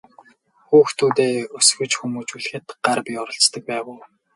Хүүхдүүдээ өсгөж хүмүүжүүлэхэд гар бие оролцдог байв уу?